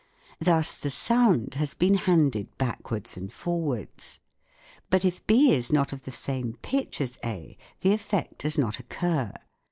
Thus the sound has been handed backwards and forwards. But if B is not of the same pitch as A, the effect does not occur.